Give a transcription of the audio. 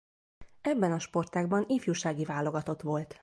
Ebben a sportágban ifjúsági válogatott volt.